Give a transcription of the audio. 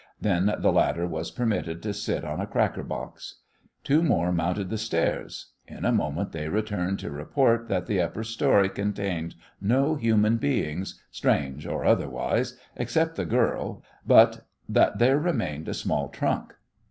Then the latter was permitted to sit on a cracker box. Two more mounted the stairs. In a moment they returned to report that the upper story contained no human beings, strange or otherwise, except the girl, but that there remained a small trunk.